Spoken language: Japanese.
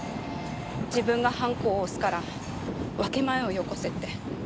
自分がハンコを押すから分け前をよこせって。